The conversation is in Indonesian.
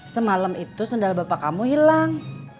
semalam itu saudara bapak kamu hilang